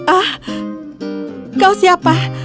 ah kau siapa